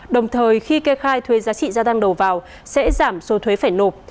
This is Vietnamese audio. đồng thời khi kê khai thuế giá trị gia tăng đầu vào sẽ giảm số thuế phải nộp